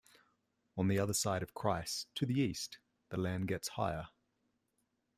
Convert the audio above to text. On the other side of Chryse, to the east, the land gets higher.